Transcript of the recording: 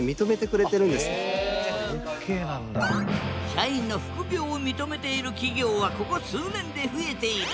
社員の副業を認めている企業はここ数年で増えている。